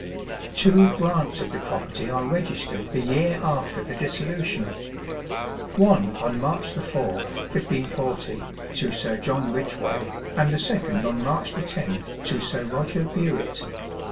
Two grants of the property are registered the year after the Dissolution. One on March 4, 1540, to Sir John Ridgeway, and the second on March 10 to Sir Roger Buett.